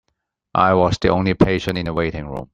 I was the only patient in the waiting room.